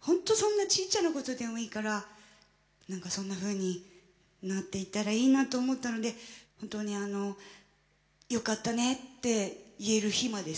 ほんとそんなちっちゃなことでもいいから何かそんなふうになっていったらいいなと思ったので本当によかったねって言える日までさ